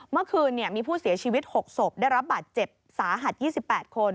เมื่อคืนมีผู้เสียชีวิต๖ศพได้รับบาดเจ็บสาหัส๒๘คน